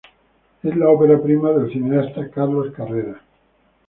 Es la ópera prima del cineasta Carlos Carrera.